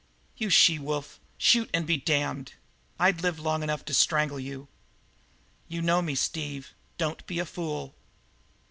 "You she wolf shoot and be damned! I'd live long enough to strangle you." "You know me, Steve; don't be a fool."